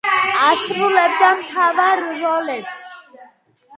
ასრულებდა მთავარ როლებს.